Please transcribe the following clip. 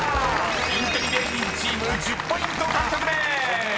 ［インテリ芸人チーム１０ポイント獲得です！］